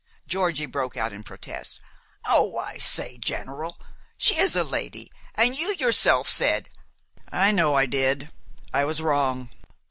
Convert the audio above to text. Georgie broke out in protest. "Oh, but I say, General, she is a lady, an' you yourself said " "I know I did. I was wrong.